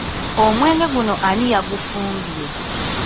Omwenge guno ani yagufumbye?